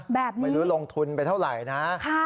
แบบนี้ไม่รู้ลงทุนไปเท่าไหร่นะค่ะ